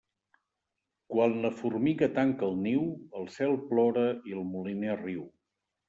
Quan la formiga tanca el niu, el cel plora i el moliner riu.